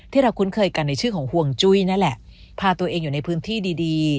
คุ้นเคยกันในชื่อของห่วงจุ้ยนั่นแหละพาตัวเองอยู่ในพื้นที่ดี